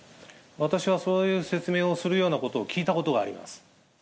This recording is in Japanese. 私はそういう説明をするようなことを聞いたことがあります。